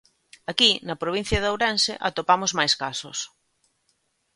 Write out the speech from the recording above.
Aquí na provincia de Ourense atopamos máis casos.